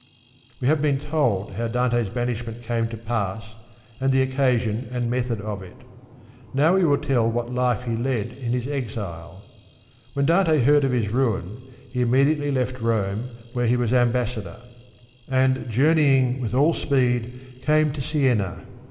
We have told how Dante's banishment came to pass and the occasion and method of it. Now we will tell what life he led in his exile. When Dante heard of his ruin he immediately left Rome, where he was ambassador ; and journeying with all speed came to Siena.